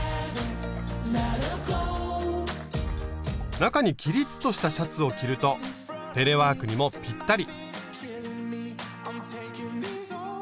中にキリッとしたシャツを着るとテレワークにもぴったり。